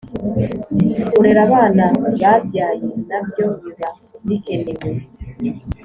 kurera abana babyaye nabyo biba bikenewed